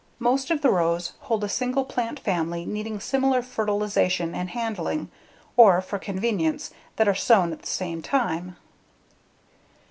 Most of the rows hold a single plant family needing similar fertilization and handling or, for convenience, that are sown at the same time.